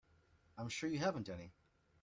I'm sure you haven't any.